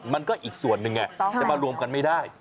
มันก็อีกส่วนหนึ่งไงจะมารวมกันไม่ได้